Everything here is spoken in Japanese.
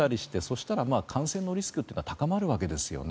したら感染のリスクは高まるわけですよね。